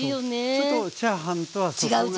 ちょっとチャーハンとはそこが違う。